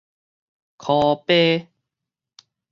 箍飛